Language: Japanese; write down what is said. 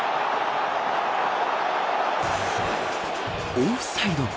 オフサイド。